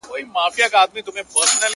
هر وخت يې ښكلومه د هـــوا پــــر ځــنـگانه,